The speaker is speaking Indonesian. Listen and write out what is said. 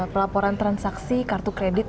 pelaporan transaksi kartu kredit